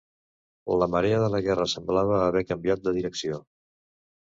La marea de la guerra semblava haver canviat de direcció.